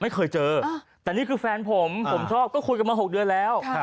ไม่เคยเจอแต่นี่คือแฟนผมผมชอบก็คุยกันมา๖เดือนแล้ว